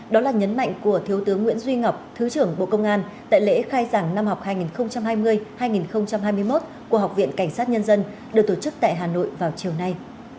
đó là nhấn mạnh của thiếu tướng nguyễn duy ngọc thứ trưởng bộ công an tại lễ khai giảng năm học hai nghìn hai mươi hai nghìn hai mươi một của học viện cảnh sát nhân dân được tổ chức tại hà nội vào chiều nay